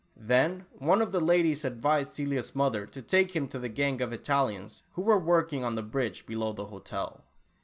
Then one of the ladies advised Celia's mother to take him to the gang of Italians who were work ing on the bridge below the hotel.